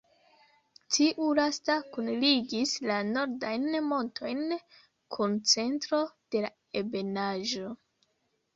Tiu lasta kunligis la nordajn montojn kun centro de la ebenaĵo.